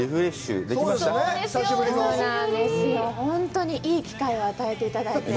本当にいい機会を与えていただいて。